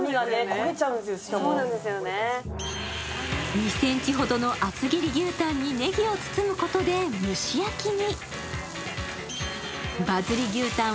２ｃｍほどの厚切り牛タンにねぎを包むことで蒸し焼きに。